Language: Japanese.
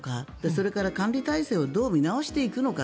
それから管理体制をどう見直していくのか。